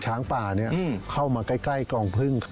ช้างป่าเข้ามาใกล้กองพึ่ง